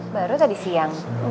baru tadi siang